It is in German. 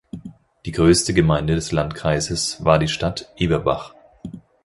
Die größte Gemeinde des Landkreises war die Stadt Eberbach.